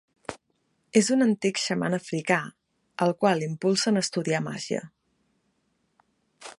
És un antic xaman africà, el qual impulsen a estudiar màgia.